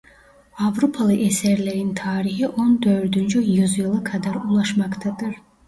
Avrupalı eserlerin tarihi on dördüncü yüzyıla kadar ulaşmaktadır.